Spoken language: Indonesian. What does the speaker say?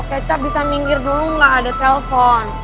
kecap bisa minggir dulu nggak ada telpon